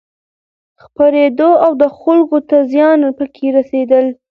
خپرېدو او دخلکو ته زيان پکې رسېدل